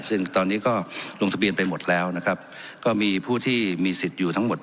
ซึ่งตอนนี้ก็ลงทะเบียนไปหมดแล้วนะครับก็มีผู้ที่มีสิทธิ์อยู่ทั้งหมด